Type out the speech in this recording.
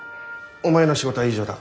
お前の仕事は以上だ。